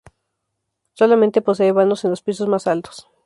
Solamente posee vanos en los pisos más altos.